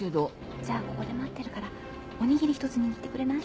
じゃあここで待ってるからお握り一つ握ってくれない？